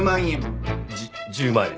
１０万円。